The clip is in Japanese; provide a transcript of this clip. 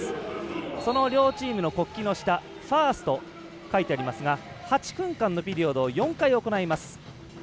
その両チームの国旗の下ファーストと書いてありますが８分間のピリオドを４回行います。